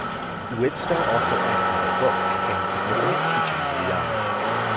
Widtsoe also edited a book containing significant teachings of Young.